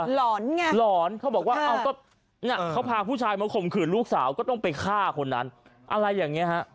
หลอนไงหลอนเขาบอกว่าเอาก็เขาพาผู้ชายมาข่มขืนลูกสาวก็ต้องไปฆ่าคนนั้นอะไรอย่างนี้ฮะ